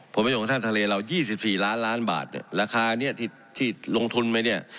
ผลประโยชน์ทางทะเลเรา๒๔ล้านล้านบาทราคานี้ที่ลงทุนไหมเนี่ย